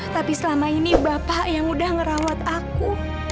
tapi selama ini bapak yang udah ngerawat aku